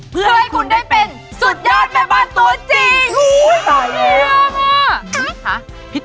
เพื่อให้คุณได้เป็นสุดยอดแม่บ้านตัวจริง